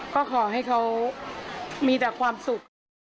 ก็ขอให้เขามีแต่ความสุข